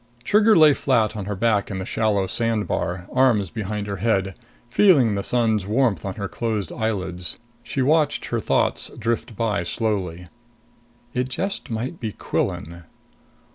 Trigger lay flat on her back in the shallow sand bar, arms behind her head, feeling the sun's warmth on her closed eyelids. She watched her thoughts drifting by slowly. It just might be Quillan.